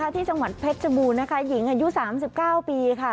ที่จังหวัดเพชรชบูรณ์นะคะหญิงอายุ๓๙ปีค่ะ